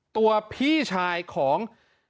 ตัวพี่ชายของ